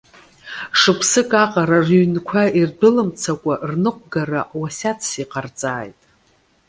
Шықәсык аҟара рыҩнқәа ирдәылымцакәа рныҟәгара уасиаҭс иҟарҵааит.